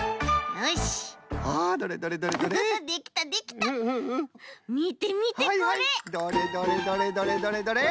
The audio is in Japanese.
はいはいどれどれどれどれどれどれ。